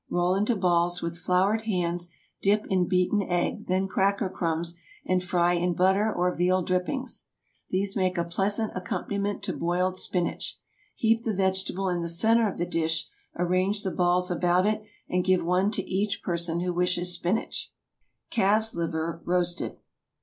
Roll into balls with floured hands, dip in beaten egg, then cracker crumbs, and fry in butter or veal drippings. These make a pleasant accompaniment to boiled spinach. Heap the vegetable in the centre of the dish, arrange the balls about it, and give one to each person who wishes spinach. CALF'S LIVER (_Roasted.